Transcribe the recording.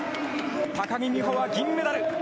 高木美帆は銀メダル。